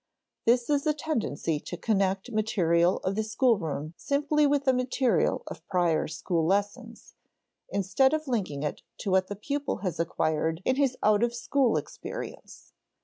There is a tendency to connect material of the schoolroom simply with the material of prior school lessons, instead of linking it to what the pupil has acquired in his out of school experience.